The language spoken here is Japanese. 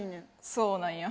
そうなんや。